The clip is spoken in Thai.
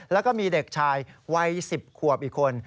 แล้วก็มีเด็กชายวัย๑๐ขวบอีกคน